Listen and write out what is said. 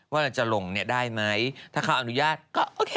ว่าเราจะลงเนี่ยได้ไหมถ้าเขาอนุญาตก็โอเค